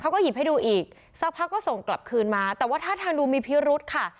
เขาก็หยิบให้ดูอีกสักพักก็ส่งกลับคืนมาแต่ว่าท่าทางดูมีพิรุธค่ะ